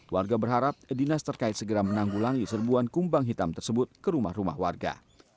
warga berharap dinas terkait segera menanggulangi serbuan kumbang hitam tersebut ke rumah rumah warga